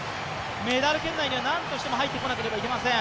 メダル圏内には何としもて入ってこなくてはいけません。